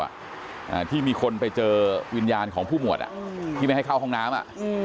อ่าที่มีคนไปเจอวิญญาณของผู้หมวดอ่ะอืมที่ไม่ให้เข้าห้องน้ำอ่ะอืม